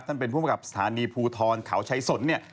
ท่านเป็นผู้ประกับสถานีภูทรขาวชัยสนเนี่ย